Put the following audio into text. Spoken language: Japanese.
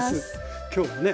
今日はね